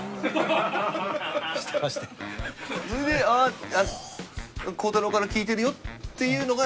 それで「あっ孝太郎から聞いてるよ」っていうのが。